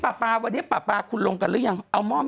ปาปาวันนี้ปาปาคุณลงกันหรือยังเอาม่อเม็ร์เม็ร์